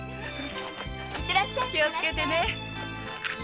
気をつけてね。